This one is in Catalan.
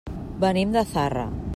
Venim de Zarra.